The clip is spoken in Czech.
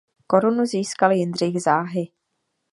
Korunu získal Jindřich záhy.